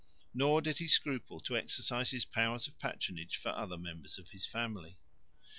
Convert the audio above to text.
Nor did he scruple to exercise his powers of patronage for other members of his family.